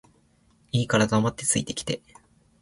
いいから黙って着いて来て